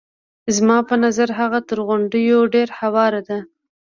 زما په نظر هغه تر غونډیو ډېره هواره ده.